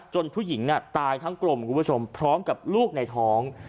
ผู้หญิงตายทั้งกลมคุณผู้ชมพร้อมกับลูกในท้อง